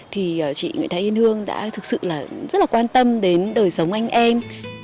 thì chị nguyễn thái yên hương đã thực sự là rất là quan tâm đến đời sống anh em